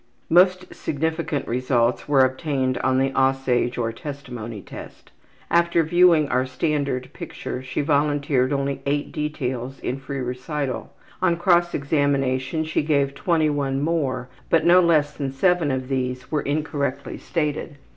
Most significant results were obtained on the ``Aussage'' or testimony test. After viewing our standard picture she volunteered only 8 details in free recital. On cross examination she gave 21 more, but no less than 7 of these were incorrectly stated.